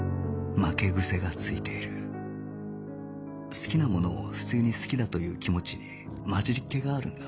好きなものを普通に好きだという気持ちに混じりっ気があるんだ